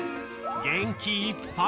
［元気いっぱい］